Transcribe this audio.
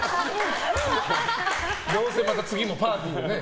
どうせまた次もパーティーでね。